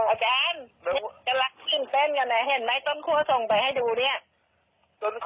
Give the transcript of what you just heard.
อาจารย์กำลังตื่นเต้นอยู่ไหนเห็นไหมต้นคู่ส่งไปให้ดูเนี่ย